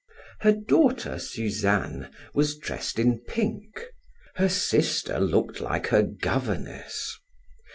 Her daughter, Suzanne, was dressed in pink; her sister looked like her governess.